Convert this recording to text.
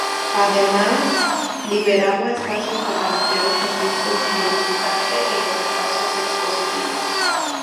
Además, liberaba espacios para ampliar los servicios al visitante y los espacios expositivos.